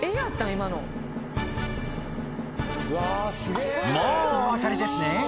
今のもうお分かりですね